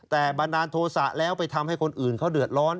แต่บันดาลโทษะแล้วไปทำให้คนอื่นเขาเดือดร้อน